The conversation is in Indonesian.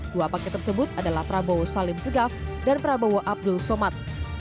dua paket tersebut adalah prabowo salim segaf dan prabowo abdul somad